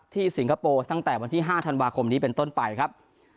สิงคโปร์ตั้งแต่วันที่๕ธันวาคมนี้เป็นต้นไปครับ